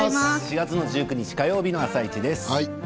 ４月１９日火曜日の「あさイチ」です。